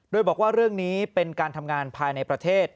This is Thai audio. โดยบอกว่าเรื่องนี้เป็นการทำงานภายในประเทศ